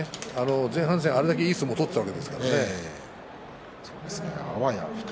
前半戦あれだけいい相撲を取っていたんですからね。